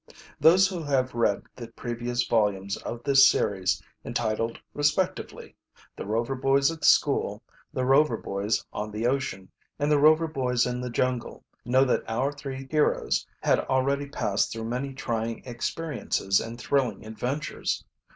Those who have read the previous volumes of this series, entitled respectively, "The Rover Boys at School." "The Rover Boys on the Ocean," and "The Rover Boys in the jungle," know that our three heroes had already passed through many trying experiences and thrilling adventures.